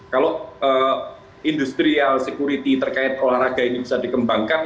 kalau industrial security terkait olahraga ini bisa dikembangkan